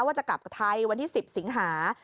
ว่าจะกลับไทยวันที่๑๐สิงหา